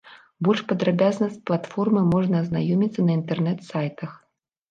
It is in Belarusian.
Больш падрабязна з платформай можна азнаёміцца на інтэрнэт-сайтах.